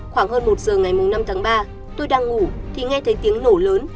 khoảng hơn một giờ ngày năm tháng ba tôi đang ngủ thì nghe thấy tiếng nổ lớn